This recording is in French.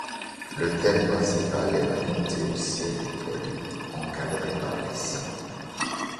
Le thème principal est la montée au ciel du poilu, encadré par les saints.